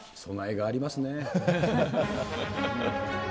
備えがありますね。